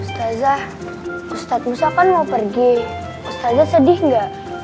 ustazah ustadz musa kan mau pergi ustazah sedih gak